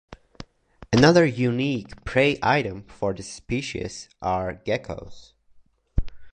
Another unique prey item for this species are geckos.